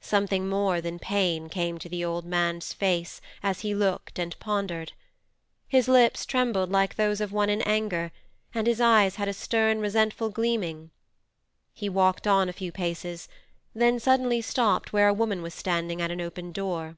Something more than pain came to the old man's face as he looked and pondered; his lips trembled like those of one in anger, and his eyes had a stern resentful gleaming. He walked on a few paces, then suddenly stopped where a woman was standing at an open door.